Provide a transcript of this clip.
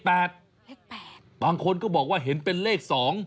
บางคนก็บอกว่าเห็นเป็นเลข๒